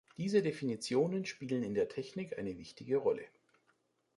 Diese Definitionen spielen in der Technik eine wichtige Rolle.